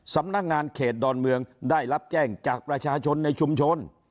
สำนักงานเขตดอนเมืองได้รับแจ้งจากประชาชนในชุมชน